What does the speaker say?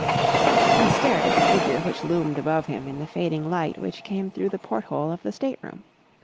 He stared at the figure which loomed above him in the fading light which came through the porthole of the state room.